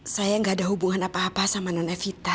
saya gak ada hubungan apa apa sama nenek vita